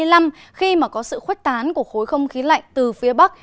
ngày hai mươi năm khi mà có sự khuất tán của khối không khí lạnh từ phía bắc